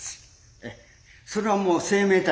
それはもう生命体